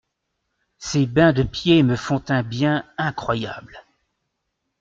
Ces bains de pieds me font un bien incroyable…